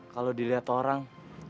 kalau dilihat orang